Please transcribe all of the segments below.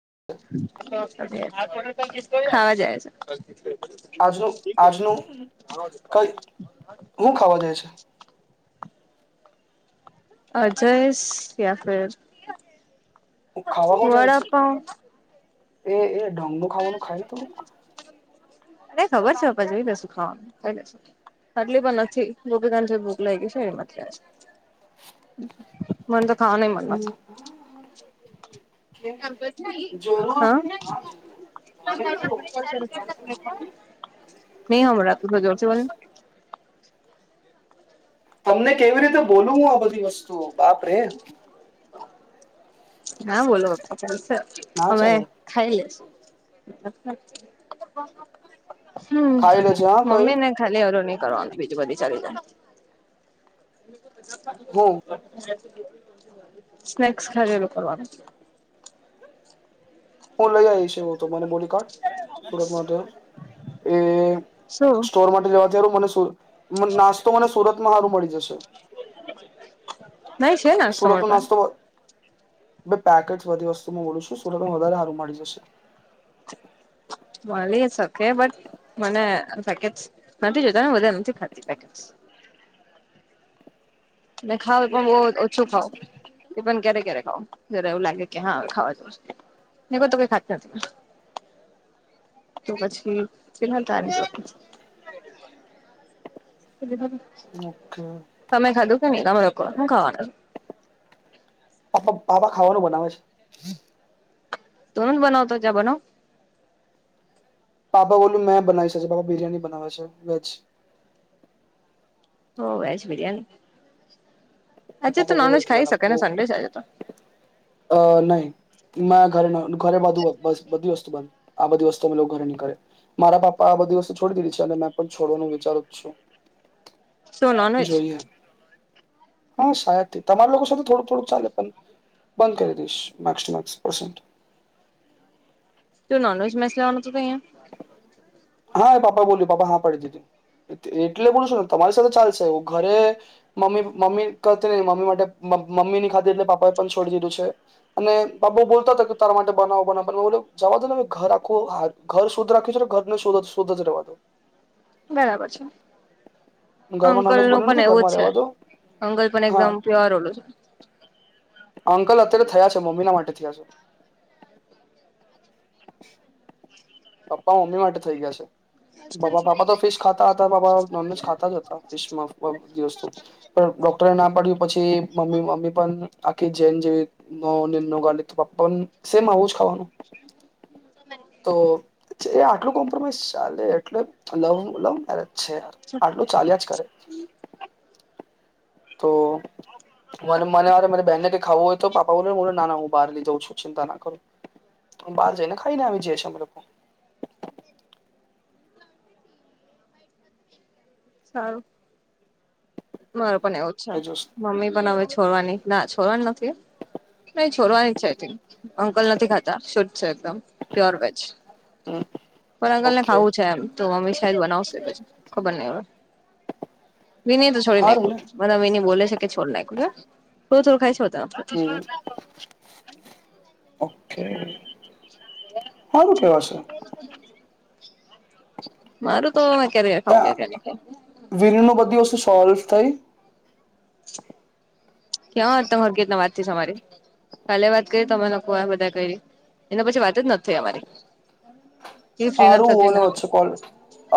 [unintelligible] ખાવા જાય છે આજનું આજનું કઈ હું ખાવા જાય છે અજય યા ફર ખાવા હું જાય છે વડાપઆ એ એ ઢોંગું ખાવાનું ખાય ને તોોડુંક નહી ખબર છે આપ જોઈ દેશુ ખાવાનું ખ દસ [inaudible] આટલી પણ નથી રોગ જો ભૂક લઈ ગઈ છે એમાં મને તો ખાવા નહી મલે જરૂર હા જરૂર તમે તો કેવી રીતે બોલું તમને કેવી નહી રીતે બોલું હમરાતું હું જોરથી બધી બોલને વસ્તુ [inaudible] તમને કેવી રીતે બોલવું હું આ બધી વસ્તુ બાપ રે હા બોલો પપ્પા કોલ છે ના અમે ચાલે ખાઈ લેશુ હમ્મ ખાઈ લેજે હા કઈ મમ્મી ને ખાલી ઓ ન કરવા બીજું બધી ચાલી જાય હું સ્નેક્સ ખરેલું કરવાનું હું લઈ આવીઈશ તો મને બોલી કાઢ સુરતમાં તો એ શું સ્ટોર માટે જવા તારું મને નાસ્તો મને સુરત માં સારું મળી જશે નહી છે ના તમાર સુરતનો પા નાસ્તો પેકેટ બધી વસ્તુમાં ઓોલું છું સુરતમાં વધારે હારું મળ જશે મળી શકે બટ તે મને પેકેટ્સ નથી જોતા ને બધા નથી ખાતી પેકેટ્સ [inaudible] ને ખાવ એ પણ બઉ ઓછું ખાવ એ પણ ક્યારે ક્યારે ખાવ જરા એવું લાગે કે હા હવે ખાવા જ ને કો તો કઈ ખાત નથી તો પછી ફિલહાલ ઓકે તમે ખાધું કે નહી તમે લોકો હું ખાવાના પાપા ખાવાનું બનાવે છે ત બનવતો ત્યા બનાવ જ પાપા બોલ્યું મેં બનાવી શ બાપા બિરિયાની બનાવે છે વેજ હો વેજ બિરયાની [unintelligible] અ તો નહી ઘરે ઘરેધું બધી વસ્તુ બંધ આ બધી વસ્તુ અમે લોકો ઘરે નીકે મારા પાપા આ બધી વસ્તુ છોડી દીધી છે અને મેં પણ છોડવાનું વિચારું જ છું શું નોનવેજ જોઈએ હા શાયદ તમારા લોકો સાથે થોડુંક થોડુંક ચાલે પણ બંધ કરી દઈશ માર્ ટુ માસ પરસન્ટ તો નોનવેજ મસલાઓના તો તહીયા હા પાપા બોલ્યું પાપા હા પડી દીધી એટલે બોલું શું ને તમારી સાથે ચાલશે ઘરે મમ્મી મમ્મી કરતી ન મમ્મી માટે મમ્મી ની ખાતે એટલે પાપા એ પણ છોડી દીધું છે અને બાપા બોલતો હતા કે તારા માટે બનાવો બનાવવા બોલો જવા દો ને ઘર રાખો હર ઘર શુદ્ધ રાખ્યું છ ને ઘર શધ શુદ્ધ જ રહેવા દો બરાબર છે ઘરમાં અંકલ નોનવેજ નું બન્યું પણ નથી એવું જ ઘરમાં છે રહેવાડો અંકલ પણ હા એકદમ પ્યોર ઓલું અંકલ અત્યારે થયા છે મમ્મીના માટે થયા છે પપ્પા મમ્મી માટે થઇ ગયા છે બા બાપા તો ફીશ ખાતા હતા બાપા નોનવેજ ખાતા જ હતા ફીશ માં દિવસ વસ્તુ પણ ડોક્ટર નામ પડ્યું પછી મમ્મી મમ્મી પણ આખી જેન જેવી ગા પપ્પા પણ સેમ. હું જ ખાવાનું? તો એ આટલું કોમ્પ્રોમાઈઝ ચા છે આટલું ચાલ્યા જ છે કરે તો મને મનેરે મને બેહેને કેઈ ખાવું હોય તો પાપા બોલોને બોલો ના હો બાર લઇ જાવ છું ચિતા ના કરો બાર જાયને ખાઈને આ વી જઈ છ એમે લોકો [inaudible] સારું માર પણ એવું જ છે, એ જુસ મમ્મી બનાવે છે, છોડવાની ના છોડવાની નથી નહીં છોડવાની છે, અંકલ નથી ખાતા શુદ્ધ છે, એકદમ પ્યોર વેજ પણ અંકલ ને ઓકે ખાવું છે, એમ તો મમ્મી શાયદ જ બનાવશે પછી ખબર નહી હવે વિની તો છોડી હારું ને નાખ્યું મને વિની બોલે છે કે છોડી નાખું થોડુ થોડુ ખાય છો હમ ઓકે. હારુ કેવાશે. મારું. તો મે ક્યારે ખાઉં ક્યારે ખાઉં વિલ ની બધી વસ્તુ સોલ્વ થઈ. ક્યાં તર કેતના વાત છે તમારી. કાલે વાત કરી તમે લોકો આ બધા કરી એના પછી વાત જ નથી થ અમારી. એ ફ્રી નથી હારું થતી ઓને ને વધચુ કોલ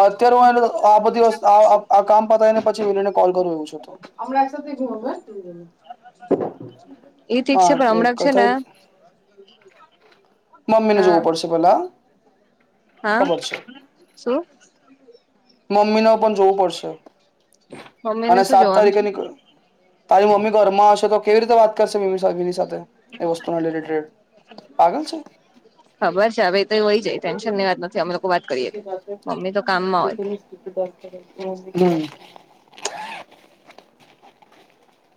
અત્યારે હું આ બધી વસ્તુ આ આ આ કામ પતાને પછી વિની ને કોલ કરુ હમણાં સૂતી હશે એ ઠીક છે પણ એક હમણાં છે ને થઈ મમ્મીને હા જોવું પડશે પેલા હા ખબર છે શું? મમ્મીને પણ જોવું પડશે મમ્મી ને અને શું સાત જોવાનું છે તારીખે નીકળીએ તારી મમ્મી ઘરમાં હશે તો કેવી રીતે વાત કરશે મમ્મીની સાથે એ વસ્તુના રિલેટેડ પાગલ છે [inaudible] ખબર છે હવે તોય હોય જાય ટેન્શન ની વાત નથી અમે લોકો વાત કરીએ મમ્મી તો કામમાં હોય [inaudible]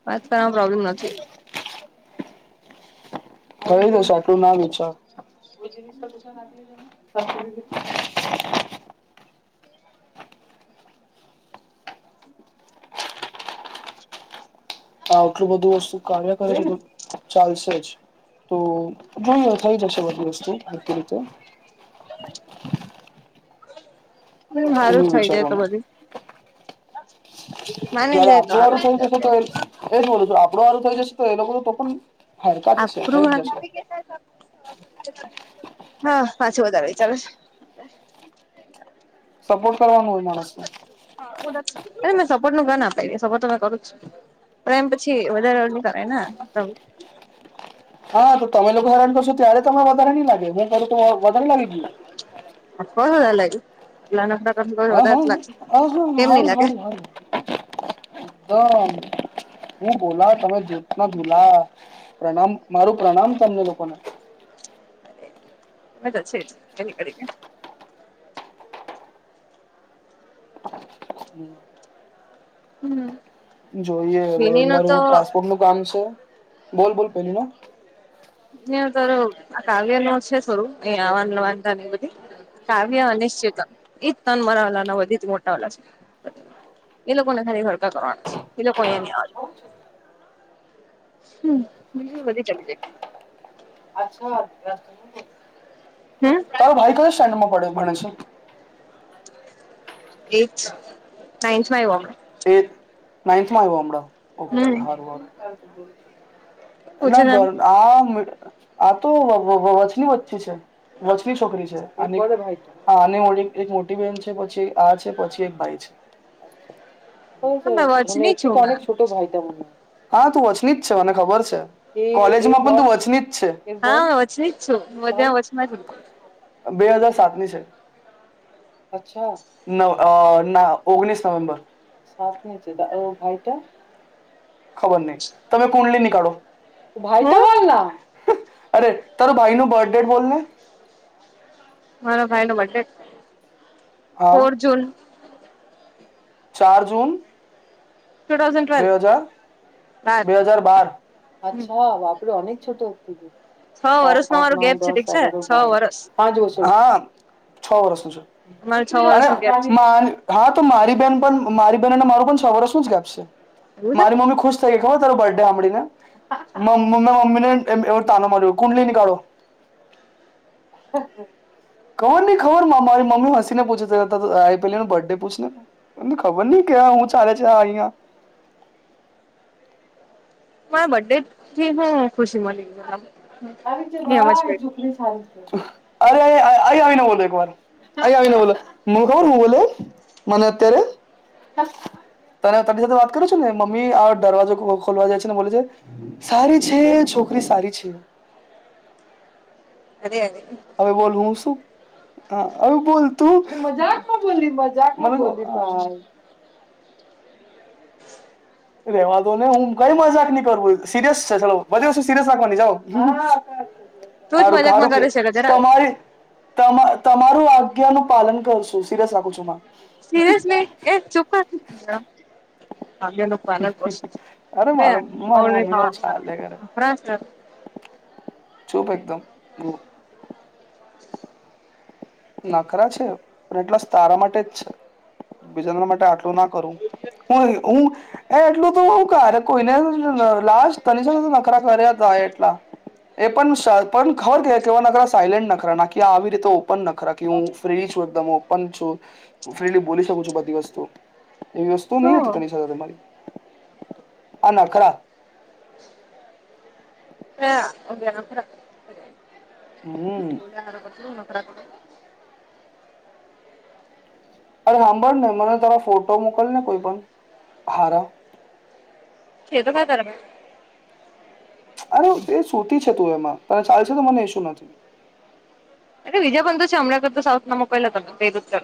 વાત કરવાવામાં પ્રોબ્લમ નથી. થય જશે આટલું ના વિચાર [inaudible] [inaudible] આટલું બધું વસ્તુ કાર્ય કરે ચાલશે જ તો જોઈએ થઈ જશે બધી વસ્તુ હરખી રીતે હારું એનું જ થઇ જાય તો વિચારવાનું બધું માની જયારે જાય તો આપણું વારું હારું થઈ જશે તો એ જ બોલું છું, આપણું વારું થઈ જશે તો એ લોકોને તો પણ હરકત છે થઈ આપણું જ હારુ જશે હા પાછું વધારે વિચારે છે. સપોર્ટ કરવાનું હોય માણસને અરે મેં સપોર્ટ નું કા ના પાડી સપોર્ટ તો મેં કરું જ છું. પ્રેમ પછી વધારે ઓલું નઈ કરેને મતલબ હા તો તમે લોકો ધારણ કરશો ત્યારે તને વધારે નહી લાગે હું, કરું તો વધારે લાગી ગયું [unintelligible] હ હા વધારે લાગશે હા હા કેમ નઈ હારી લાગે હારી હારી. [inaudible] હું બોલા તમે દૂધના ધુલા પ્રણામ મારું પ્રણામ તમને લોકોને [inaudible] [unintelligible] [inaudible] હમ. જોઈએ મારું પાસપોર્ટનું કામ છે બોલ બોલ પેલીના અ તો આ કાવ્ય નો છે થોડું અહીયા આવાન લવાનતા એ બધી કાવ્ય અનિશ્ચિત એજ તન મરા વાલાના બધી જ મોટા વાલા છે એ લોકોને ખાલી ભડકા કરવાના છે, એ લોકો એ નહી આવે [inaudible] હમ બીજું વધી ચલી જાય. અચ્છા રસ્તો ન હમ તારો ભાઈ કયા સ્ટેન્ડર્ડમાં પડે ભણે છે? એઈટ નાઈનથમાં આઇવો. નાઇથમાં આઇવો હમણાં ઓકે હમણાં હમ હારુ હારુ ના પૂછે ઘર તમ આ આ તો વ વ વચની બચી છે. વચની છોકરી છે. હા અને મારી એક મોટી બેહેન છે પછી આ છે પછી એક ભાઈ છે. મે વચની છું મે [unintelligible] હા તું વચલી જ છે મને ખબર છે કોલેજમાં પણ તું વચલી જ છે. હા હું વચની જ છું. હું બધામાં વચમાં રઇસ બે હજાર સાતની છે. અચ્છા ન ના ઓગણીસ નવેમ્બર [unintelligible] ખબર નહી તમે કુંડલી નીકાળો. ભાઈ તો હું બના અરે તારું ભાઈ નું બર્થ ડેટ બોલને મારા ભાઈ નો બર્થ ડેટ હા ફોર જૂન ચાર જૂન ટુ થાઉઝન્ડ ટ્વેલ્વ બે હજાર બાર બે હજાર બાર અચ્છા. છ [unintelligible] સાત વર્ષ નો આઠ મારું ગેપ નવ છે દસ ઠીક છે અગિયાર તો બાર છ વર્ષ પાંચ વષો છ વર્ષ નું અમારે છ છે, વર્ષ નો ગેપ છે અને હા તો મારી બેહેન પણ મારી બહેનને મારું પણ છ વર્ષનું જ ગેપ છે એવું છે મારી મમ્મી ખુશ થઈ ગ જો તાર બર્થડે હાભળીને મ મમ્મી ને એવ તાનો માર કુંડલી નીકાળો [inaudible] ખબર ન ખબર મા મારી મમી હસીને પૂછે છે ત આ પેલીનો બર્ડે પૂછને તમને ખબર નહીં કે હું ચાલે છે આ અહિયાં મારા બર્થડેટથી હું ખુશી મળી? સારી છે, નહી હમજ વાહ એ પડી છોકરી સારી છે. અરે આ અહીં અહીં આવી ને બોલો એક વાર અહીં આવી ને બોલો [unintelligible] મને અત્યારે તમે તની સાથે વાત કરો છો ને મમ્મી આ દરવાજો ખોલવા જાય છે, ને બોલે છે સારી છે છોકરી સારી છે. અ [unintelligible] હવે બોલ હું શું હ હવે બોલ તું મજાકમાં બોલી મજાકમાં બોલી ભાઈ રેવા દો નહી હું કઈ મજાક નહી કરું સિરિયસ છે ચલો બધી વસ્તુ સિરિયસ નાખવાની જા તું જ મજાકમાં હારુંખારું કે કરે છે જરા તમારી તમા તમારું આગ્યાનું પાલન કરશું સિરસખું છું સીરસ એ ચુપ અરે માર મારી મમ્મી ન ચાલે ઘરે [unintelligible] ચૂપ એકદમ હ નખરા છે પણ એટલા તારા માટે જ છે બીજાના માટે આટલું ના કરું. હ હું એ એટલું તો ક કોઈને લ તની સાથે નખરા કર્યા હતા એ પણ ખબર કેવા ન સાયલેન્ટ નખરા નાખ આવી રીતે ઓપન નખ ખરા કે હું ફ્રી છું, એકદમ ઓપન છું, ફ્રીલી બોલી શકું છું, બધી વસ્તુ એવી વસ્તુ નહી હતી તની સાથે તમારી આ ના ખરા અવે હમ અરે સાંભળ ને મને તાર ફોટો મોકલ ને કોઈ પણ હારા છે તો ખરા અરે તે સ સુતી છે તું એમાં તને ચાલે છે તો મને એસું નથી એટલે બીજા પણન તો છે હમણાં કર તો સાઉથનામાં પેલા તમે પ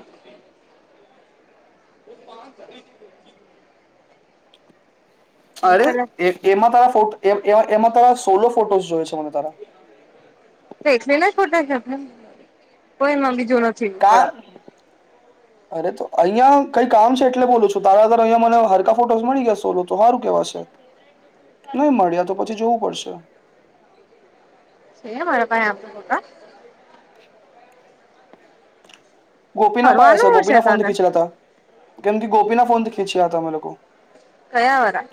હરે મોકલા એ એમાં ત એમાં તારા સોલો ફોટોસ જોય છે મને તારા તો એટલે ના ખોટા છે કોઈ એમાં બીજું નથી મળ કા અરે તો અહિયાં કઈ કામ છે એટલે બોલો છું તારા તર અહંયા મને હરકા ફોટોસ મળી ગયા સોલો તો સારું કેવા નહી મળ્યા તો પછી જોવું પડશે મારા પાસે આપ પા ગોપીના પાયા હ ફરવાનું હશે ગોપીના ફોનથી તને ખીંચ્યા હતા કેમ કે ગોપીના ફોનથી ખીંચ્યા હતા અમે લોકો કયા હોરા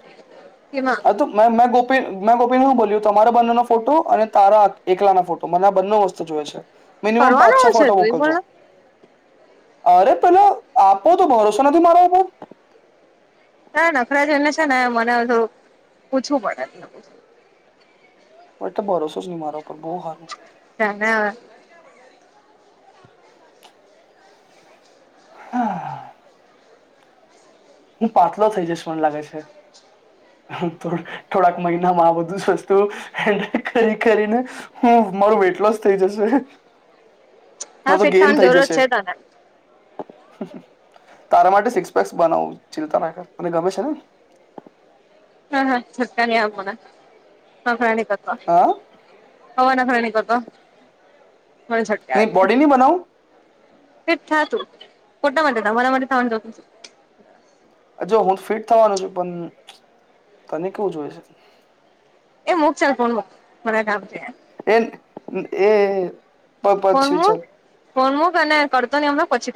હ તો મે મેં ગોપ મેં ગોપીને શું બોલ્યું તમારા બંને નો ફોટો અને તારા એકલા ના ફોટો મને આ બંને વસ્તુ જોય છે મિનિમમ પાંચ ફરવાનું છો હશે ફોટો તું એ મોકલજો પણ અરે પેલો આપો તો ભરોસો નથી મારા ઉપર ના નખરા જોઈને છે ને મનેધું પૂછવું પડેને એટલે ભરોસો જ નહી મારા ઉપર બહુ સારું તને હા હું પાતલો થઇ જસ મને લાગે છે થોડાક મહિનામાં આ બધું જ વસ્તુ હેન્ડલ કરી કરીને હું મારું વેટ લોસ થઈ જશે હા ના તો ફિટ ગેન થવાની થઈ જરૂરત જશે છે તને તારા માટે સિક્સ પેક્સ બનાવવું છે તર મને ગમે છે ને હા હા સરક્કણી આમોના હ પ્રણીક હા તત્વ હ નિકતો નહી બોડી નહી બનાવ એ થ તું પોટા માટે તમારા માટે થ જો હું ફિટ થવાનું છું પણ તને કેવું જોઈ એ છે. મુક ચલ ફોન મારે કામ છે. એક એ પ ફોન પછી મૂક ચાલ. ફોન મુક અને કરતો ની હમણાં પછી